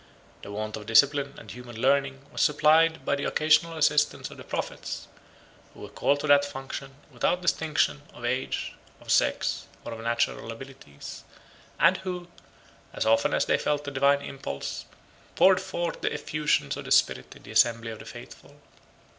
The want of discipline and human learning was supplied by the occasional assistance of the prophets, 106 who were called to that function without distinction of age, of sex, 1061 or of natural abilities, and who, as often as they felt the divine impulse, poured forth the effusions of the Spirit in the assembly of the faithful.